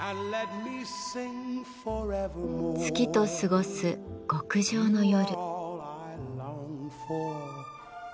月と過ごす極上の夜。